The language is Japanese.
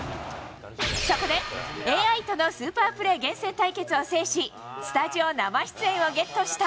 そこでＡＩとのスーパープレー厳選対決を制し、スタジオ生出演をゲットした。